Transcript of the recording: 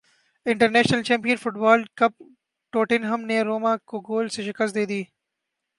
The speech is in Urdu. international champion football cup Tottenham نے روما کو گول سے شکست دے دی